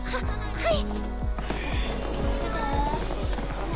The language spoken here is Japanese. はい！